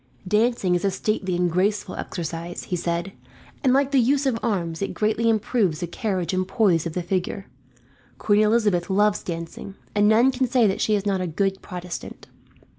"Dancing is a stately and graceful exercise," he said, "and like the use of arms, it greatly improves the carriage and poise of the figure. Queen Elizabeth loves dancing, and none can say that she is not a good Protestant.